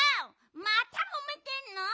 またもめてんの？